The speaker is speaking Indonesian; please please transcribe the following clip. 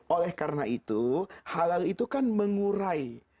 oleh karena itu halal itu kan mengurai